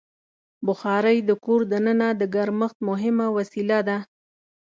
بخاري د کور دننه د ګرمښت مهمه وسیله ده.